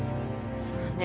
そうね。